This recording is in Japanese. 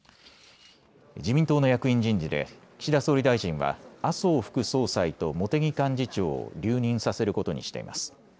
自民党の役員人事で岸田総理大臣は麻生副総裁と茂木幹事長を留任させることにしています。